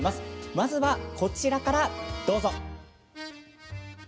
まずはこちらからどうぞ。